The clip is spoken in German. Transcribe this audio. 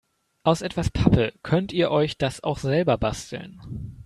Aus etwas Pappe könnt ihr euch das auch selber basteln.